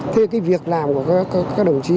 thì cái việc làm của các đồng chí công an